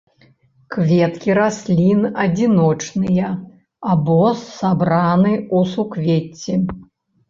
Кветкі раслін адзіночныя або сабраны ў суквецці.